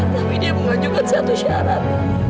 tapi dia mengajukan satu syarat